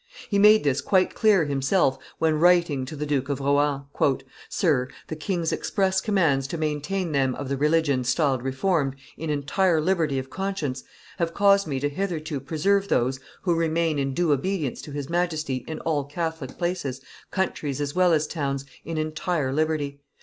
He made this quite clear himself when writing to the Duke of Rohan: "Sir, the king's express commands to maintain them of the religion styled Reformed in entire liberty of conscience have caused me to hitherto preserve those who remain in due obedience to his Majesty in all Catholic places, countries as well as towns, in entire liberty.